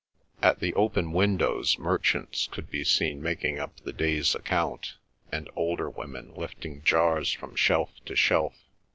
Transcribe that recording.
At the open windows merchants could be seen making up the day's account, and older women lifting jars from shelf to shelf.